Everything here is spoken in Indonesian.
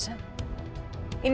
gawat umpet pukul